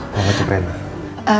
mama cek rena